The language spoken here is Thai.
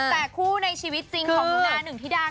แต่คู่ในชีวิตจริงของหนูนาหนึ่งธิดา